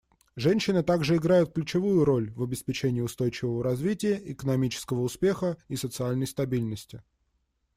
Женщины также играют ключевую роль в обеспечении устойчивого развития, экономического успеха и социальной стабильности.